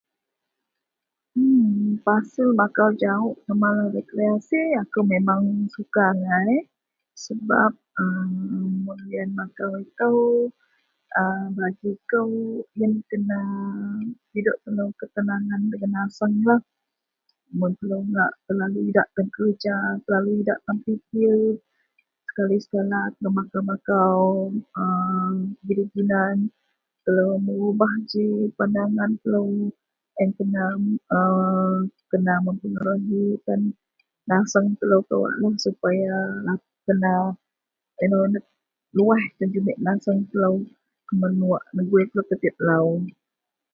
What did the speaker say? Pasal makau jawok kuaman okay akou memang suka angai sebab mun lian makau ito a bagi kou ien kena pidok penuh ketenangan dagen naseng lah mun telo ngak idak tan kerja, selalu idak tan fikir sekali-sekala telo makau-makau a gidi-ginan telo merubah g pandangan telo iyen kena memperejukan naseng telo, kawak supaya luwaih tan jumit naseng telo kuman wak negui telo tiap-tiap lalu.